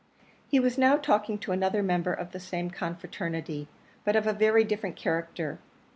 He was now talking to another member of the same confraternity, but of a very different character.